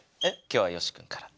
今日はよしくんから。